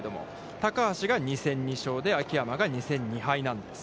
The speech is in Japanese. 高橋が２戦２勝で、秋山が２戦２敗なんです。